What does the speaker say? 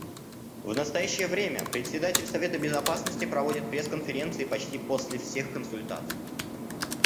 В настоящее время Председатель Совета Безопасности проводит пресс-конференции почти после всех консультаций.